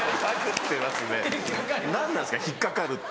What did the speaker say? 何なんですか引っ掛かるって。